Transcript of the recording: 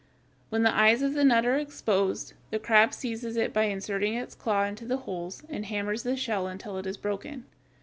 When the "eyes" of the nut are exposed, the crab seizes it by inserting its claws in the holes, and hammers the shell until it is broken.